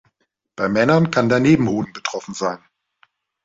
Bei Männern kann der Nebenhoden betroffen sein.